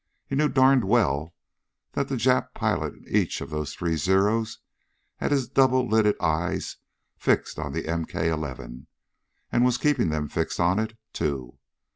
He knew darned well that the Jap pilot in each of the three Zeros had his double lidded eyes fixed on the MK 11, and was keeping them fixed on it, too.